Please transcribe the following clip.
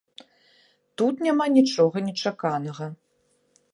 Тут няма нічога нечаканага.